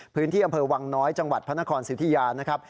พื้นที่อำเภอวังน้อยจังหวัดพระนครสิทธิยานะครับ